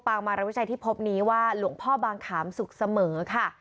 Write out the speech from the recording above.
มารวิชัยที่พบนี้ว่าหลวงพ่อบางขามสุขเสมอค่ะ